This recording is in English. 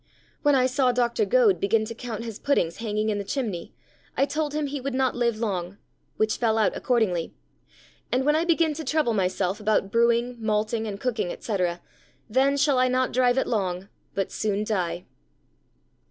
When I saw Dr. Goad begin to count his puddings hanging in the chimney, I told him he would not live long, which fell out accordingly; and when I begin to trouble myself about brewing, malting, and cooking, etc., then shall not I drive it long, but soon die.